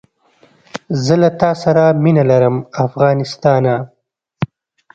زه له تاسره مینه لرم افغانستانه